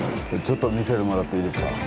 ちょっと見せてもらっていいですか